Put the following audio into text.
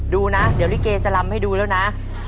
ดูนะเดี๋ยวลิเกจะลำให้ดูแล้วนะ